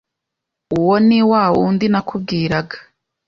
uwo niwa wundi nakubwiraga